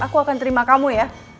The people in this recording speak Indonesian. aku akan terima kamu ya